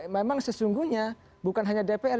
memang sesungguhnya bukan hanya dpr